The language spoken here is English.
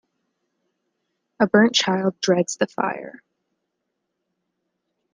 A burnt child dreads the fire.